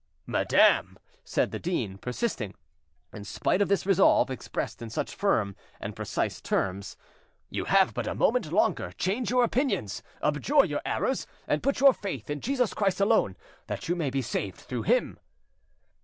"Madam," said the dean, persisting in spite of this resolve expressed in such firm and precise terms, "you have but a moment longer: change your opinions, abjure your errors, and put your faith in Jesus Christ alone, that you may be saved through Him."